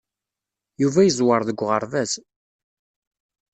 Yuba yeẓwer deg uɣerbaz.